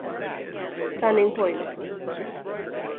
Turning Point!